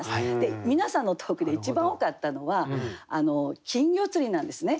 皆さんの投句で一番多かったのは金魚釣りなんですね。